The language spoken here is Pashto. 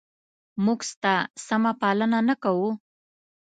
موږ ستا سمه پالنه نه کوو؟